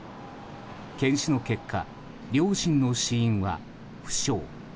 検視の結果、両親の死因は不詳。